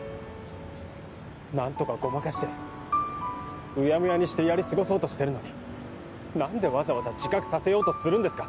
何とかごまかして、うやむやにしてやり過ごそうとしているのに何でわざわざ自覚させようとするんですか。